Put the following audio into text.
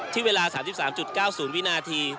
ที่เวลา๓๓๙๐วินาที